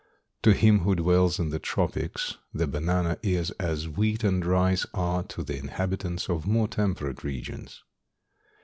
To him who dwells in the tropics the banana is as wheat and rice are to the inhabitants of more temperate regions.